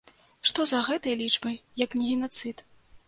Што за гэтай лічбай, як не генацыд?